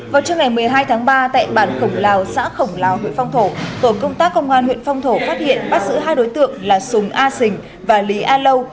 vào trước ngày một mươi hai tháng ba tại bản khổng lào xã khổng lào huyện phong thổ tổ công tác công an huyện phong thổ phát hiện bắt giữ hai đối tượng là sùng a sình và lý a lâu